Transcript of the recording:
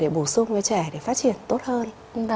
để bổ sung cho trẻ để phát triển tốt hơn